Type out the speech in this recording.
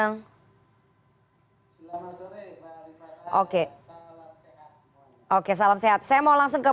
untuk masuk dan melihat langsung